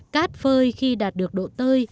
cát phơi khi đạt được độ tơi